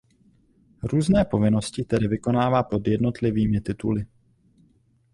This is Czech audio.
Různé povinnosti tedy vykonává pod jednotlivými tituly.